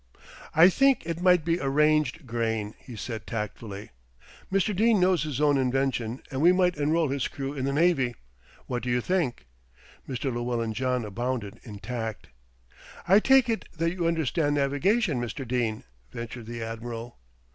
"I think it might be arranged, Grayne," he said tactfully. "Mr. Dene knows his own invention and we might enrol his crew in the Navy; what do you think?" Mr. Llewellyn John abounded in tact. "I take it that you understand navigation, Mr. Dene?" ventured the Admiral.